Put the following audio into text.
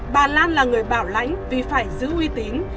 bà lan là người bảo lãnh vì phải giữ uy tín